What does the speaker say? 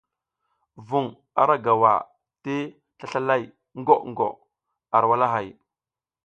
Vuŋ ara gawa ti slaslalay gwo gwo ar walahay.